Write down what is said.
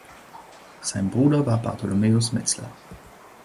Sein Bruder war Bartholomäus Metzler.